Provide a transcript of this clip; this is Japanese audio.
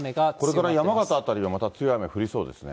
これから山形辺りはまた強い雨降りそうですね。